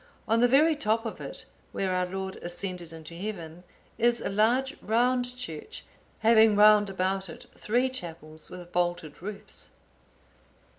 On the very top of it, where our Lord ascended into heaven, is a large round church,(865) having round about it three chapels with vaulted roofs.